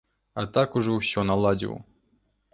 А так ужо ўсё наладзіў.